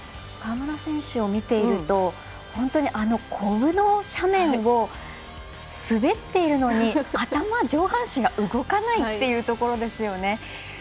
川村選手を見ていると本当にコブの斜面を滑っているのに、上半身が動かないっていうところですよね。